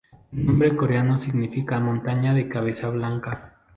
El nombre en coreano significa "montaña de cabeza blanca".